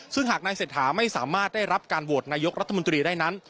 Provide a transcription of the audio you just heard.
ซึ่งหากนายเศรษฐาไม่สามารถได้รับการโหวตนายกรัฐมนตรีได้นั้น